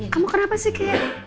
kamu kenapa sih kayak